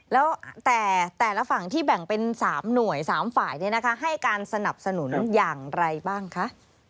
แล้วแต่แต่ละฝั่งที่แบ่งเป็น๓หน่วย๓ฝ่ายให้การสนับสนุนอย่างไรบ้างคะ